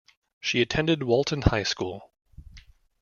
She attended Walton High School.